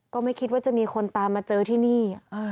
ก็ไม่คิดว่าจะมีคนตามมาเจอที่นี่